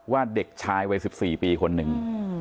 เด็กชายวัย๑๔ปีคนหนึ่ง